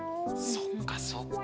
そっかそっか。